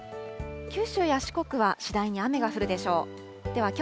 九州や四国は次第に雨が降るでしょう。